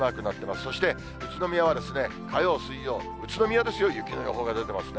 そして宇都宮は火曜、水曜、宇都宮ですよ、雪の予報が出てますね。